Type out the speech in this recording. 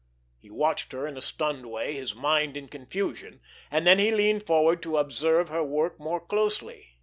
He watched her in a stunned way, his mind in confusion. And then he leaned forward to observe her work more closely.